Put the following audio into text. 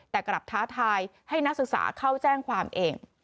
แต่กลับท้าทายให้นักศึกษาเข้าแจ้งความเอง